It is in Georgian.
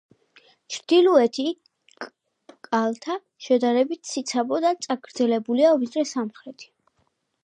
ჩრდილოეთი კალთა შედარებით ციცაბო და წაგრძელებულია, ვიდრე სამხრეთი.